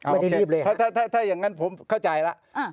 ไม่ได้รีบเลยครับถ้าอย่างนั้นผมเข้าใจแล้ว